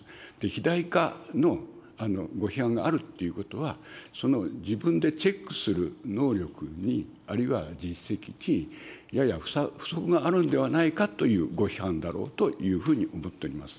肥大化のご批判があるということは、自分でチェックする能力に、あるいは実績にやや不足があるんではないかというご批判だろうというふうに思っております。